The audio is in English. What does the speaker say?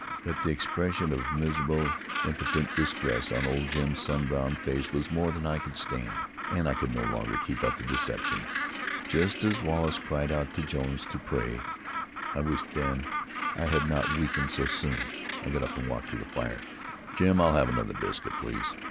But the expression of miserable, impotent distress on old Jim's sun browned face was more than I could stand, and I could no longer keep up the deception. Just as Wallace cried out to Jones to pray I wished then I had not weakened so soon I got up and walked to the fire. "Jim, I'll have another biscuit, please."